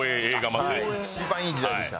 一番いい時代でした。